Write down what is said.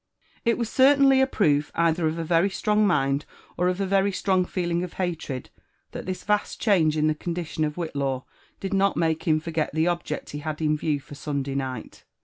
It was certainly a proof either of a very strong mind, or of t very strong feeling of hatred, that Ibis vast change in the condition of Whitlaw did not make him forget the object he had in view for Sunday night.